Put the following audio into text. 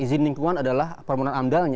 izin lingkungan adalah permohonan amdalnya